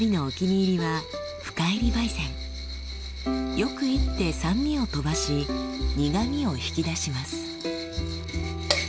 よく煎って酸味を飛ばし苦みを引き出します。